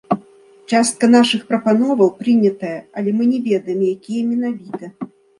Частка нашых прапановаў прынятая, але мы не ведаем, якія менавіта.